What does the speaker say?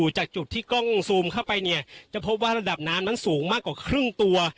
จากจุดที่กล้องซูมเข้าไปเนี่ยจะพบว่าระดับน้ำนั้นสูงมากกว่าครึ่งตัว